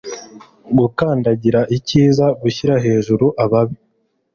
gukandagira icyiza gushyira hejuru ababi